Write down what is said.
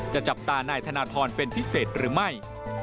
จับตานายธนทรเป็นพิเศษหรือไม่